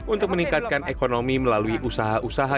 untuk meningkatkan ekonomi melalui usaha usaha